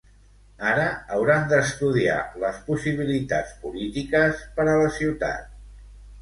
Ara, hauran d'estudiar les possibilitats polítiques per a la ciutat.